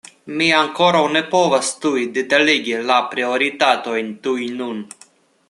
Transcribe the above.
Mi ankoraŭ ne povas tuj detaligi la prioritatojn tuj nun.